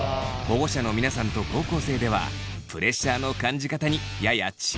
保護者の皆さんと高校生ではプレッシャーの感じ方にやや違いがあるようです。